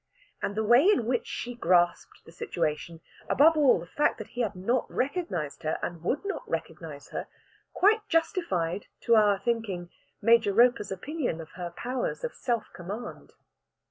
And the way in which she grasped the situation above all, the fact that he had not recognised her and would not recognise her quite justified, to our thinking, Major Roper's opinion of her powers of self command.